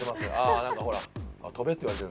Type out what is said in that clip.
あ何かほら跳べって言われてるんだ。